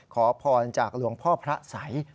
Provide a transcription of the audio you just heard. ขอพรจากหลวงพ่อพระสัย